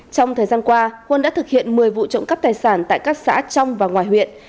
trong thời gian qua huân đã thực hiện một mươi vụ trộm cắp tài sản tại các xã trong và ngoài huyện